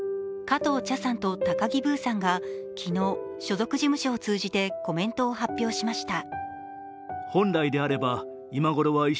加藤茶さんと高木ブーさんが昨日、所属事務所を通じてコメントを発表しました。